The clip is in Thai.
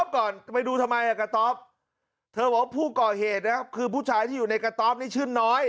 จ๊ะจ๊ะจ๊ะจ๊ะจ๊ะจ๊ะจ๊ะจ๊ะ